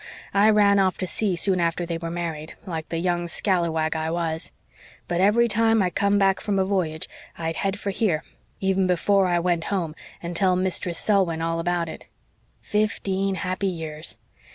I ran off to sea soon after they were married, like the young scalawag I was. But every time I come back from a voyage I'd head for here, even before I went home, and tell Mistress Selwyn all about it. Fifteen happy years!